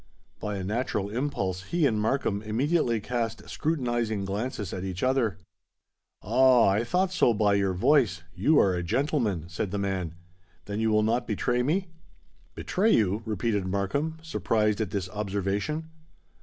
By a natural impulse he and Markham immediately cast scrutinising glances at each other. "Ah! I thought so by your voice—you are a gentleman," said the man: "then you will not betray me?" "Betray you!" repeated Markham, surprised at this observation.